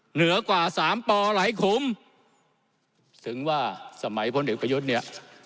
เหนือกว่าสามปหลายคุมถึงว่าสมัยพลเอกประยุทธ์เนี่ย